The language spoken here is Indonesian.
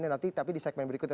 nanti tapi di segmen berikutnya